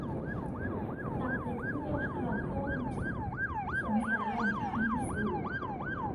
ตับเหล็กลวกหล่อนต้ม สงสัยหล่อนจะทำผิดสูตร